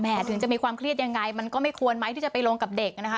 ถึงจะมีความเครียดยังไงมันก็ไม่ควรไหมที่จะไปลงกับเด็กนะคะ